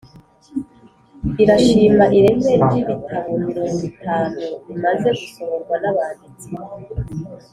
irashima ireme ry’ibitabo mirongo itanu bimaze gusohorwa n’abanditsi